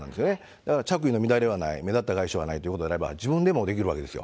だから着衣の乱れはない、目立った外傷はないということであれば、自分でもできるわけですよ。